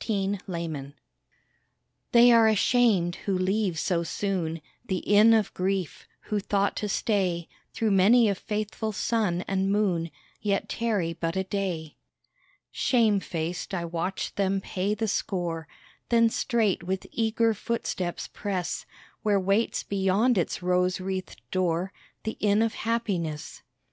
TRANSIENTS They are ashamed who leave so soon The Inn of Grief who thought to stay Through many a faithful sun and moon, Yet tarry but a day. Shame faced I watch them pay the score, Then straight with eager footsteps press Where waits beyond its rose wreathed door The Inn of Happiness.